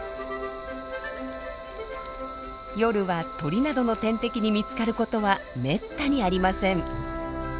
夜は鳥などの天敵に見つかることはめったにありません。